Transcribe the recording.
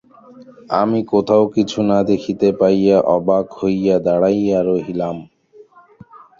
আমি কোথাও কিছু না দেখিতে পাইয়া অবাক হইয়া দাঁড়াইয়া রহিলাম।